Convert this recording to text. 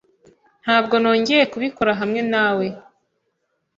Ntabwo nongeye kubikora hamwe nawe.